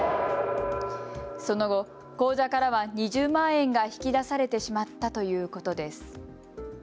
その後、口座からは２０万円が引き出されてしまったということです。